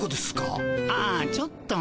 ああちょっと。